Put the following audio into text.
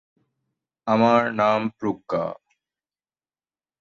তাঁর কিছু চিত্রকর্ম বর্তমানে লন্ডনের ইন্ডিয়া অফিস লাইব্রেরিতে সংরক্ষিত আছে।